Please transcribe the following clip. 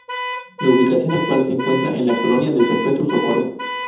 La ubicación actual se encuentra en la Colonia del Perpetuo Socorro.